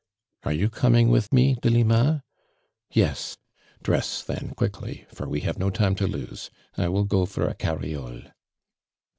"Are you coming with me, Delima? Yes! DresB then quickly, for we have no time to lose. I will go for a cariole."